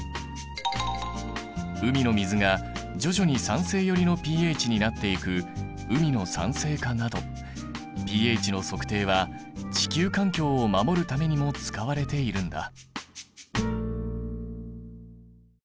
海の水が徐々に酸性寄りのｐＨになっていく海の酸性化などｐＨの測定は地球環境を守るためにも使われているんだ。